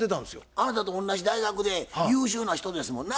あなたと同じ大学で優秀な人ですもんな？